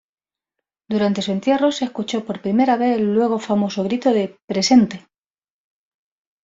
Durante su entierro se escuchó por primera vez el luego famoso grito de "¡Presente!".